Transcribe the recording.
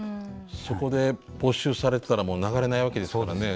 そこで没収されてたらもう流れないわけですからね。